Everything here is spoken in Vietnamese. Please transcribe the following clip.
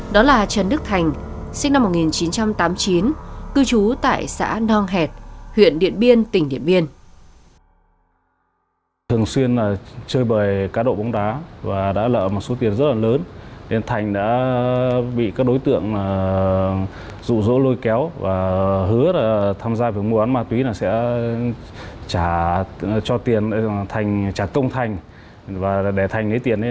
đó là trần đức thành sinh năm một nghìn chín trăm tám mươi chín cư trú tại xã nong hẹt huyện điện biên tỉnh điện biên